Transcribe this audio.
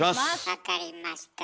分かりました。